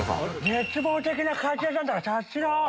絶望的な滑舌なんだから察しろ！